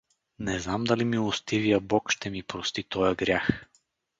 Не знам дали милостивия бог ще ми прости тоя грях.